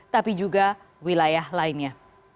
tapi juga wilayah lainnya